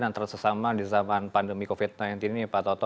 dan tersesamaan di zaman pandemi covid sembilan belas ini pak toto